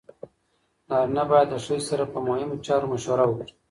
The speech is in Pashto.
نارینه باید د ښځې سره په مهمو چارو مشوره وکړي.